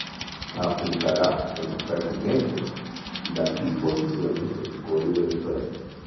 Aplicará en lo pertinente las disposiciones del Código Electoral".